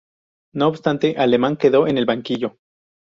No obstante, Alemán quedó en el banquillo.